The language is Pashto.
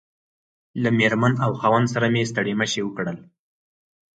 له مېرمنې او خاوند سره مې ستړي مشي وکړل.